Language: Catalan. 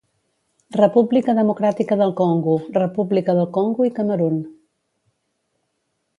República Democràtica del Congo, República del Congo i Camerun.